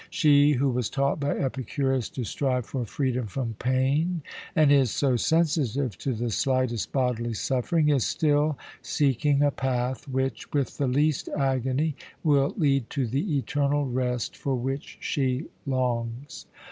She, who was taught by Epicurus to strive for freedom from pain and is so sensitive to the slightest bodily suffering, is still seeking a path which, with the least agony, will lead to the eternal rest for which she longs.